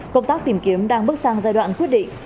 công tác tìm kiếm đang bước sang giai đoạn quyết định